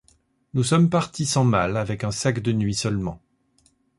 Nous sommes partis sans malles, avec un sac de nuit seulement.